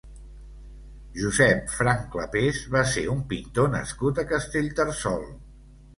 Josep Franch-Clapers va ser un pintor nascut a Castellterçol.